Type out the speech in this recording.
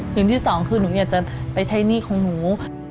หนึ่งที่สองคือหนูอยากจะไปใช้หนี้ของหนู